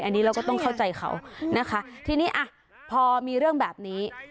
อันนี้เราก็ต้องเข้าใจเขานะคะทีนี้อ่ะพอมีเรื่องแบบนี้